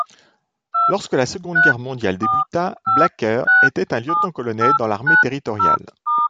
Lorsque la Seconde Guerre mondiale débuta, Blacker était un lieutenant-colonel dans l'armée territoriale.